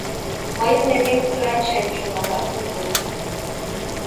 «Мыйын нерген кутырат чай», — шоналта Конаков.